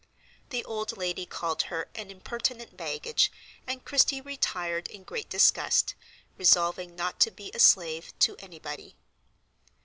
The old lady called har an "impertinent baggage," and Christie retired in great disgust, resolving not to be a slave to anybody.